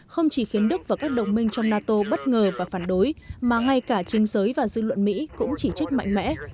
không chỉ khiến đức và các đồng minh trong nato bất ngờ và phản đối mà ngay cả chính giới và dư luận mỹ cũng chỉ trích mạnh mẽ